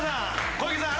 小池さん。